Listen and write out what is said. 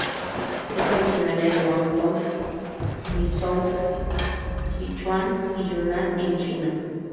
Es originaria de Guangdong, Guizhou, Sichuan y Yunnan en China.